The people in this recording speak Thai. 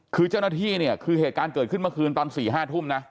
คือเจ้าหน้าที่เนี่ยคือเหตุการณ์เกิดขึ้นเมื่อคืนตอน๔๕ทุ่มนะ